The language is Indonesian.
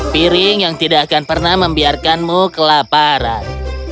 piring yang tidak akan pernah membiarkanmu kelaparan